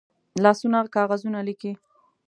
لاسونه کاغذونه لیکي